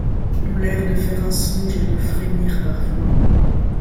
Ont l'air de faire un songe et de frémir parfois